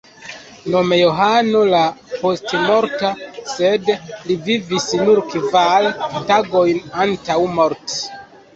Nome Johano la Postmorta, sed li vivis nur kvar tagojn antaŭ morti.